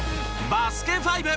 『バスケ☆ＦＩＶＥ』